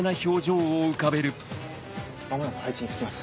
間もなく配置に就きます。